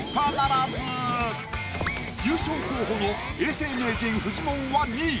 優勝候補の永世名人フジモンは２位。